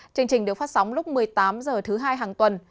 chương trình được phát sóng lúc một mươi tám h thứ hai hàng tuần